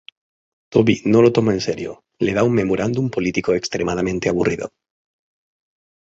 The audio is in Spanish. Toby no lo toma en serio: le da un memorándum político extremadamente aburrido.